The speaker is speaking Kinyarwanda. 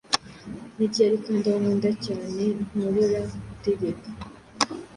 Ni ryari kandi aho nkunda cyane, nhobora gutegeka